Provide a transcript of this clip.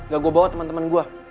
gak gue bawa temen temen gue